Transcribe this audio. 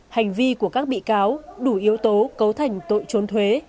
hành vi của các bị cáo đủ yếu tố cấu thành tội trốn thuế